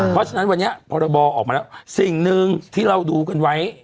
เพราะฉะนั้นวันนี้พรบออกมาแล้วสิ่งหนึ่งที่เราดูกันไว้